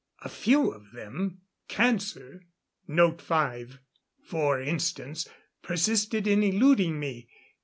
A few of them cancer, for instance persisted in eluding me.